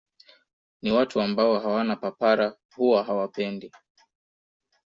Ni watu ambao hawana papara huwa hawapendi